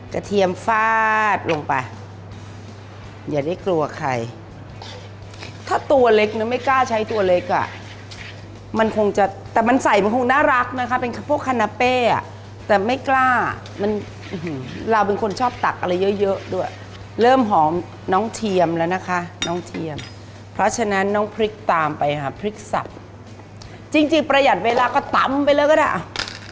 เทียมฟาดลงไปอย่าได้กลัวใครถ้าตัวเล็กนะไม่กล้าใช้ตัวเล็กอ่ะมันคงจะแต่มันใส่มันคงน่ารักนะคะเป็นพวกคานาเป้อ่ะแต่ไม่กล้ามันเราเป็นคนชอบตักอะไรเยอะเยอะด้วยเริ่มหอมน้องเทียมแล้วนะคะน้องเทียมเพราะฉะนั้นน้องพริกตามไปหาพริกสับจริงจริงประหยัดเวลาก็ตำไปเลยก็ได้อ่ะ